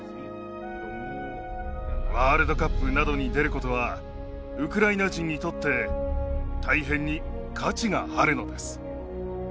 ワールドカップなどに出ることはウクライナ人にとって大変に価値があるのです。